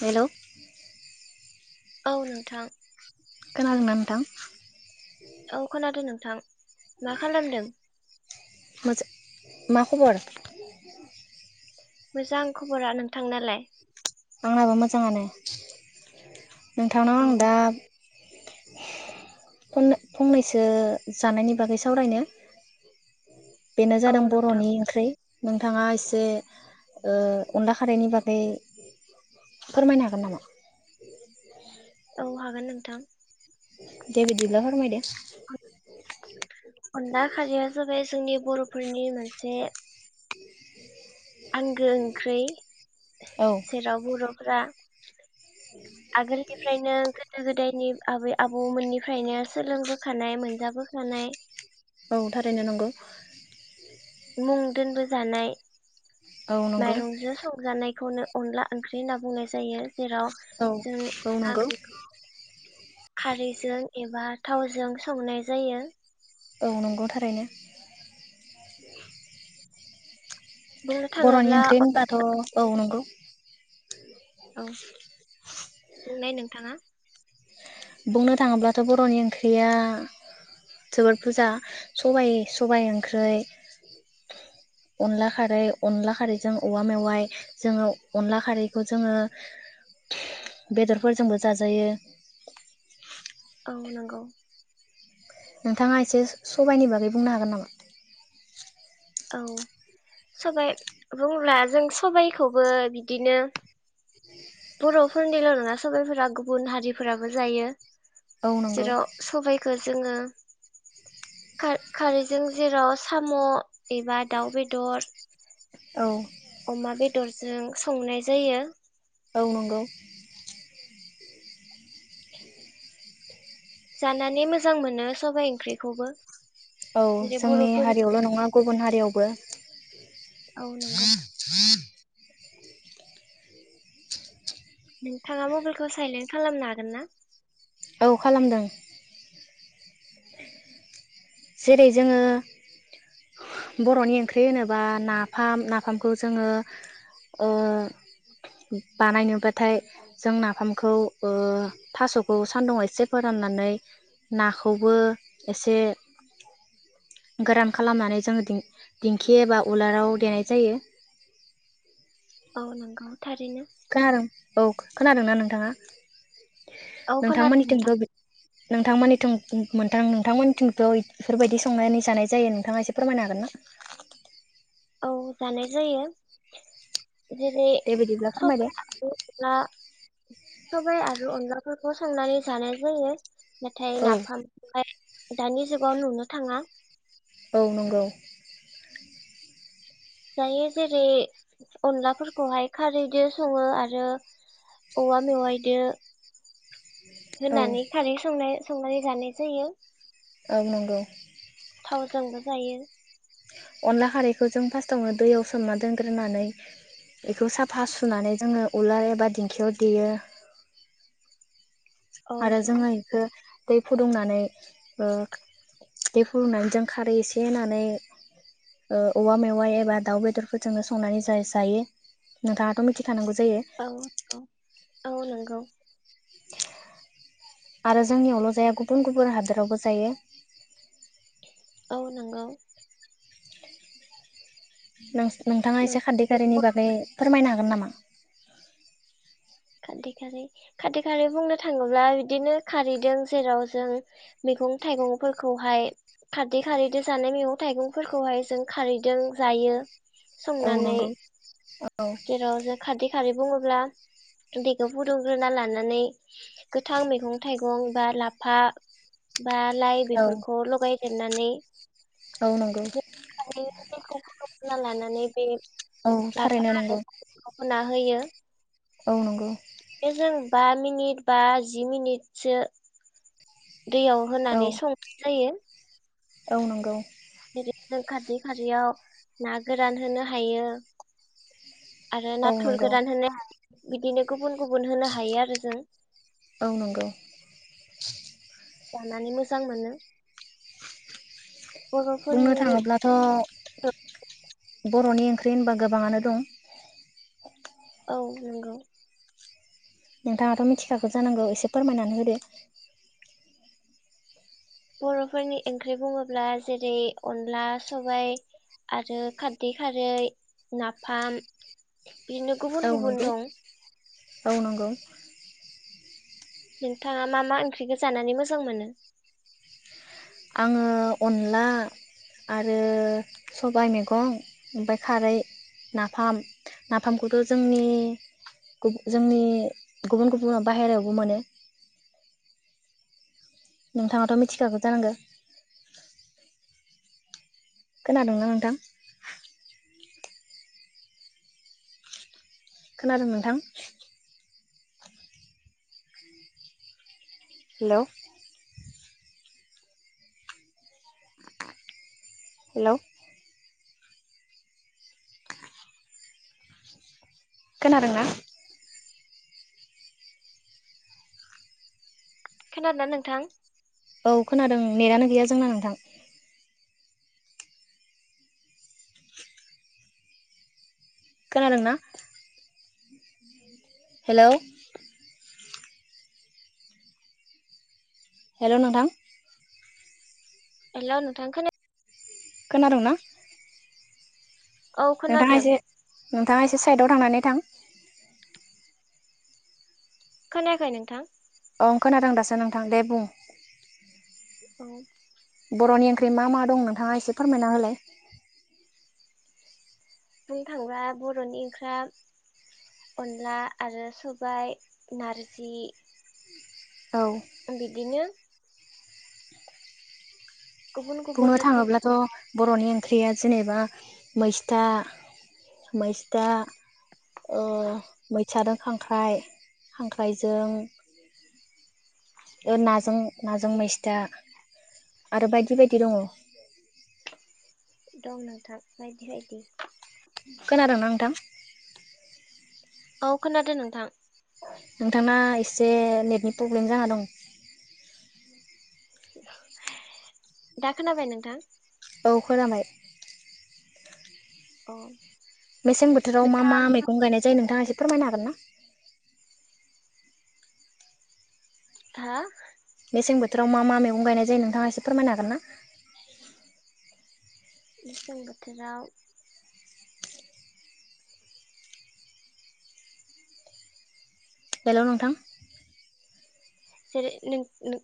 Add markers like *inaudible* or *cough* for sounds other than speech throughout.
हेल' औ नोंथां खोनादोंना नोंथां‌? औ खोनादों नोंथां, मा खालामदों? मोजा मा खबर? मोजां खबरा नों थांनालाय? आंनाबो मोजाङानो नोंथांनाव औ आं दा फंनैसो जानायनि बागै सावरायनो। बेनो औ जादों नोंथां बर'नि ओंख्रि नोंथाङा एसे ओ अनला खारनि बागै फोरमायनो हागोन नामा? औ हागोन नोंथां। दे बिदिब्ला फोरमायदो अनला खाारिया जाबाय जोंनि बर'फोरनि मोनसे आंगो ओंख्रि औ जेराव बर' *unintelligible* आगोलनिफ्रायनो गोदो गोदायनि आबै आबौमोननिफ्रायनो सोलोंबोखानाय मोनजाबोखानाय औ थारैनो नंगौ। मुं दोनबोजानाय औ नंगौ माइरं जो संजानाय बेखौनो अनला ओंख्रि होनना बुंनाय जायो। जेराव औ जों औ नंगौ *unintelligible* खौ खारैजों एबा थावजों संनाय जायो। औ नंगौ थारैनो बुंनो बर'नि थाङोब्ला ओंख्रि होनबाथ' औ नंगौ औ बुंनाय नोंथाङा बुंनो थाङोब्लाथ' बर'नि ओंख्रिया जोबोर बुरजा सबाय सबायाइ ओंख्रि अनला खारै अनला खारैजों औवा मेवाइ जोङो अनला खारैखौ जोङो बेदरफोरजोंबो जाजायो। औ नंगौ। नोंथाङा एसे सबायाइनि बागै बुंनो हागोन नामा? औ सबाइ बुंब्ला जों सबाइखौबो बिदिनो बर'फोरनिल' नङा सबाइफोरा गुबुन हारिफोराबो जायो। औ नंगौ जेराव सबाइखो जोङो खार-खारैजों जेराव साम' एबा दाउ बेदर औ। अमा बेदरजों संनाय जायो। औ नंगौ। *inaudible* जानानै मोजां मोनो सबाइ ओंख्रिखौबो औ जेरै जोंनि बर'फोरनि हारियावल' नङा गुबुन हारियावबो औ नंगौ *inaudible* *inaudible* नोंथाङा मबेलखौ साइलेन्ट खालामनो हागोन ना? औ खालामदों। जेरै जोङो बर'नि ओंख्रि होनोबा नाफाम नाफामखौ जोङो ओ बानायनोबाथाय जों नाफामखौ ओ थासखौ सान्दुुंआव एसे फोराननानै नाखौबो एसे गोरान खालामनानै जों दिं-दिंखि एबा उलाराव देनाय जायो। औ नोंगौ। थारैनो। खोनादों औ खोनादोंना नोंथाङा? औ खोनादों नोंथांमोननिथिंबो नोंथां नोंथांमोननिथिं मोनथां नोंथांमोनथिंथ' इफोरबायदि संनानै जानाय जायो नोंथाङा एसे फोरमायनो हागोन ना? औ जानाय जायो। जेरै दे बिदिब्ला सब फोरमायदो *unintelligible* सबाय आरो अनलाफोरखौ संनानै जानाय जायो। नाथाय औ नाफामखौहाय दानि जुगाव नुनो थाङा औ नंगौ। जायो जेरै अनलाफोरखौहाय खारैदो सङो आरो औवा मेवायदो औ होनानै खारै संनाय संनानै जानाय जायो। ओं नोंगौ। थावजोंबो जायो। अनला खारैखो जों फास्तावनो दैयाव सोमना दोनग्रोनानै एखौ साफा सुनानै जोङो उला एबा दिंखियाव देयो। औ आरो नंगौ जोङो इखो दै फुदुंनानै ओ दै फुदुंनानै जों खारै एसे होनानै ओ औवा मेवाइ एबा दाउ बेदरफोरजोंनो संनानै जाय-जायो नोंथाङाथ' मिथि औ औ। औ नोंगौ। आरो जोंनियावल' जाया गुबुन गुबुन हादोरावबो जायो। औ नंगौ। नों-नोंथाङा एसे खारदै माने खारैनि बागै फोरमायनो हागोन नामा? *inaudible* खारदै खारै खारदै खारै बुंनो थाङोब्ला बिदिनो खारैदों जेराव जों मैगं थाइगंफोरखौहाय खारदै खारैजों जानाय मैगं थाइगंफोरखौहाय जों खारैदों जायो। औ संनानै नंगौ औ जेराव जों खारदै खारै बुङोब्ला *unintelligible* फुदुंग्रोना लानानै गोथां मैगं-थाइगं बा लाफा बा लाइ औ बेफोरखौ लगाय हेननानै औ नंगौ। दैखौ फुदुंना लानानै बे औ लाफा थारैनो आरो नंगौ। होना होयो। औ नंगौ‌ बे जों बा मिनिट बा जि मिनिटसो दैयाव औ होनानै संनाय जायो। औ नंगौ। जों खारदै खारदैयाव ना गोरान होनो हायो आरो औ नाथुर नंगौ गोरान होनो बिदिनो गुबुन गुबुन होनो हायो आरो जों। औ नंगौ *inaudible* जानानै मोजां मोनो। बुंनो बर'फोरनि थाङोब्लाथ' बर'नि ओंख्रि होनबा गोबाङानो दं। औ नोंगौ। नोंथाङाथ' मिथिखाखौ जानांगौ एसे फोरमायनानै होदो। बर'फोरनि ओंख्रि बुङोब्ला जेरै अनला सबाइ आरो खारदै खारै नाफाम बिदिनो औ गुबुन गुबुन नंगौ दं। औ नंगौ। नोंथाङा मा मा ओंख्रिखौ जानानै मोजां मोनो? आङो अनला आरो सबाइ मैगं ओमफ्राय खारै नाफाम नाफामखौथ' जोंनि जोंनि गुबुन गुबुन बायहेरायावबो मोनो। नोंथाङाथ' मिथिखागौ जानांगौ। खोनादोंना नोंथां? खोनादों नोंथां? हेल' हेल' खोनादोंना? खोनादोंना नोंथां? औ खोनादों नेटानो गैया जोंना नोंथां। खोनादोंना? हेल' हेल' नोंथां। हेलौ नोंथां खो खोनादोंना? औ नोंथाङा खोनादों एसे नोंथाङा एसे साइडआव थांनानै थां खोनायाखै नोंथां? अ खोनादों दासो नोंथां दे बुं। औ। बर'नि ओंख्रि मा मा दं नोंथाङा एसे फोरमायना होलाय। बुंनो थाङोब्ला बर'नि ओंख्रि अनला आरो सबाइ, नार्जि औ बिदिनो। गुबुन बुंनो गुबुन थाङोब्लाथ' रोखोमनि बर'नि ओंख्रिया जेनेबा मैस्था मैस्था ओ मैथाजों खांख्राइ, खांख्राइजों नाजों, नाजों मैस्था, आरो बायदि बायदि दङ। दं नोंथां बायदि बायदि। खोनादोंना नोंथां? औ खोनादो नोंथां। नोंथांना एसे नेटनि प्रब्लेम जाना दं। दा खोनाबाय नोंथां? औ खोनाबाय। अ। मेसें बोथोराव मा मा मैगं गायनाय जायो नोंथाङा एसे फोरमायनो हागोन ना? हा? मेसें बोथोराव मा मा मैगं गायनाय जायो नोंथाङा एसे फोरमायनो हागोन ना? मेसें बोथोराव हेलौ नोंथां। जेरै नों-नों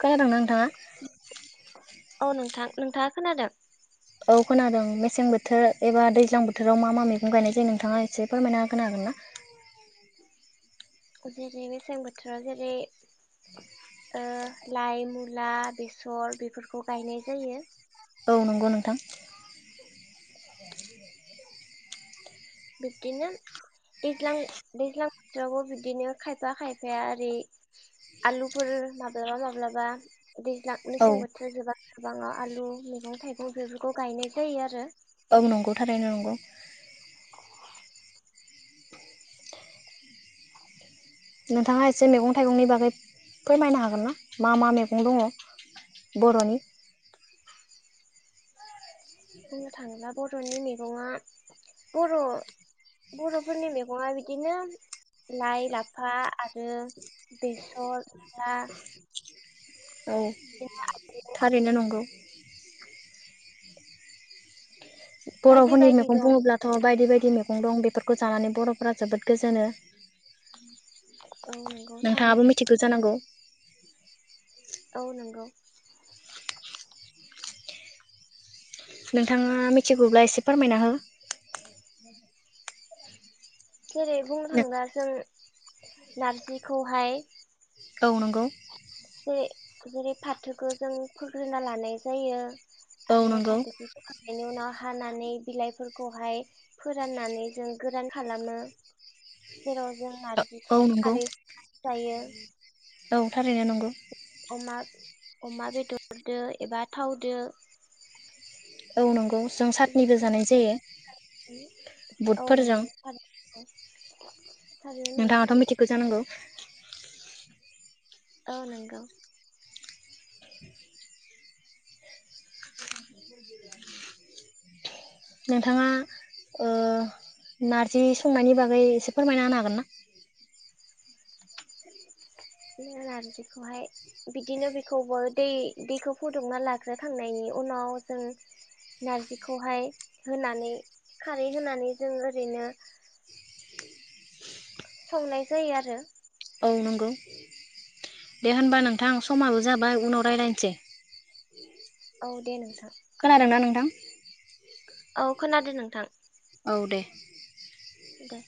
खोनादोंना नोंथाङा *inaudible* औ नोंथां नोंथाङा खोनादों। औ खोनादों मेसें बोथोर एबा दैज्लां बोथोराव मा मा मैगं गायनाय जायो नोंथाङा एसे फोरमायना होनो हागोन ना? जेरै मेसें बोथोराव जेरै लाइ, मुला, बेसर बेफोरखौ गायनाय जायो। औ नंगौ नोंथां। बिब्दिनो दैज्लां दैज्लां बोथोरावबो बिब्दिनो खायफा खायफाया ओरै आलुफोर माब्लाबा माब्लाबा दैज्लां औ मेसें बोथोर जोबा गोबाङा आलु मैगं थाइगं बेफोरखौ गायनाय जायो आरो। औ नंगौ थारैनो नंगौ। नोंथाङा एसे मैगं थाइगंनि बागै फोरमायनो हागोन ना मा मा मैगं दङ बर'नि? बुंनो थाङोब्ला बर'नि मैगङा बर' बर'फोरनि मैगङा बिदिनो लाइ, लाफा आरो बेसर, मुला औ थारैनो नंगौ। बायदि बर'फोरनि बायदि मेगं दं बुङोब्लाथ' बायदि बायदि मेगं दं बेफोर खौ जानानै बर'फोरा जोबोद गोजोनो औ नंगौ नोंथाङाबो थारैनो मिथिगौ जानांगौ औ नंगौ नोंथाङा मिथिगौब्ला एसे फोरमायना हो जेरै बुंनो थाङोब्ला जों नारजिखौहाय औ नंगौ जे जेरै फाथोखौ जों खुग्रोना लानाय जायो औ आरो नंगौ फाथोफोर फोखांनायनि उनाव हानानै बिलाइफोरखौहाय फोराननानै जों गोरान खालामो जेराव जों औ नारजिखौ नंगौ खारै जायो औ थारैनो नंगौ अमा अमा बेदरदो एबा थावदो औ नंगौ जों सातनिबो जानाय जायो औ बुटफोरजों नंगौ थारैनो थारैनो नंगौ नोंथाङाथ' मिथिखौ जानांगौ औ नंगौ नोंथाङा ओ नारजि संनायनि बागै एसे फोरमायना होनो हागोन ना? नार्जिखौहाय बिदिनो बेखौबो दै दैखौ फुदुंना लाग्रोखांनायनि उनाव जों नार्जिखौहाय होनानै खारै होनानै जों ओरैनो संनाय जायो आरो औ नोंगौ दे होनबा नोंथां समाबो जाबाय उनाव रायज्लायनोसै औ दे नोंथां खोनादोंना नोंथां औ खोनादों नोंथां औ दे दे